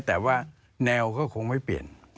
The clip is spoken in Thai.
แต่ว่าแนวก็คงไม่เปลี่ยน